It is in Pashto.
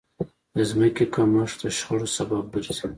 د ځمکې کمښت د شخړو سبب ګرځي.